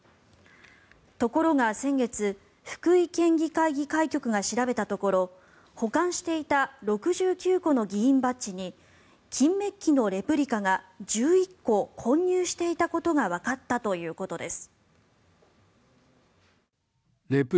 ところが先月福井県議会議会局が調べたところ保管していた６９個の議員バッジに金メッキのレプリカが１１個混入していたことがわかったということです。